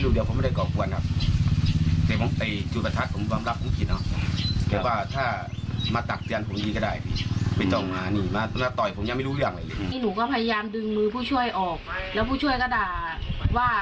นี่หนูก็พยายามดึงมือผู้ช่วยออกแล้วผู้ช่วยก็ด่าว่า